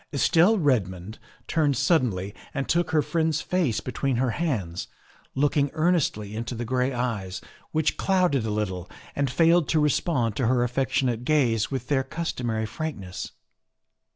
Estelle Redmond turned suddenly and took her friend's face between her hands, looking earnestly into the gray eyes, which clouded a little and failed to respond to her affectionate gaze with their customary frankness.